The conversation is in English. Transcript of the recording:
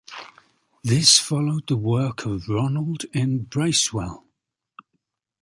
This followed the work of Ronald N. Bracewell.